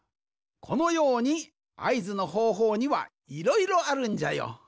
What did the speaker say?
このようにあいずのほうほうにはいろいろあるんじゃよ。